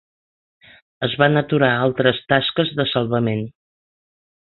Es van aturar altres tasques de salvament.